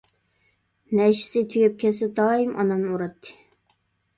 نەشىسى تۈگەپ كەتسە دائىم ئانامنى ئۇراتتى.